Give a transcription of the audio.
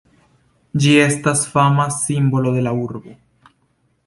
Ĝi estas fama simbolo de la urbo.